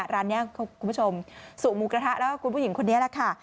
ร้านนี้คุณผู้ชมสู่หมูกระทะแล้วก็คุณผู้หญิงคนนี้แหละค่ะ